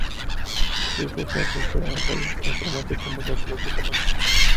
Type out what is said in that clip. Su hijo, Henry, fue a Reims a formarse como sacerdote católico.